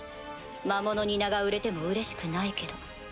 魔物に名が売れてもうれしくないけど。